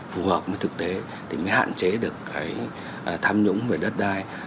phù hợp với thực tế thì mới hạn chế được cái tham nhũng về đất đai